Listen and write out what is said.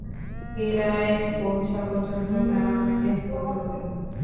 হীরায় পৌঁছা পর্যন্ত তারা আমাকে হেফাজত করল।